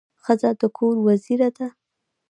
ښځه د کور وزیره ده.